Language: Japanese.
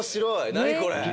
何これ。